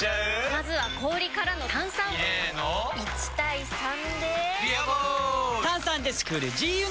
まずは氷からの炭酸！入れの１：３で「ビアボール」！